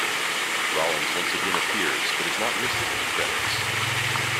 Rollins once again appears but is not listed in the credits.